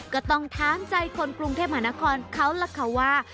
ก็ต้องถามใจคนกรุงเทพมหานครเขาล่ะค่ะว่า